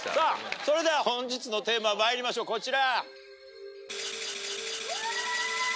それでは本日のテーマまいりましょうこちら！